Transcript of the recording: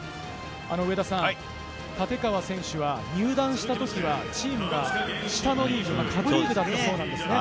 上田さん、立川選手が入団したときは、チームが下のリーグ、下部リーグだったんですよね。